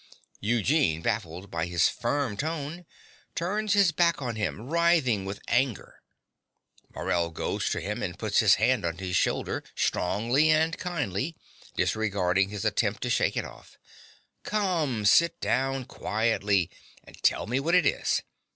(Eugene, baffled by his firm tone, turns his back on him, writhing with anger. Morell goes to him and puts his hand on his shoulder strongly and kindly, disregarding his attempt to shake it off) Come: sit down quietly; and tell me what it is.